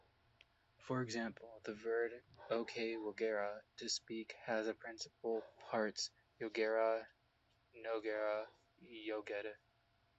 For example, the verb "okwogera" 'to speak' has the principal parts "yogera-njogera-yogedde".